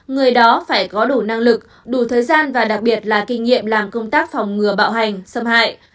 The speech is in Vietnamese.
người đó phải có đủ năng lực đủ thời gian và đặc biệt là kinh nghiệm làm công tác phòng ngừa bạo hành xâm hại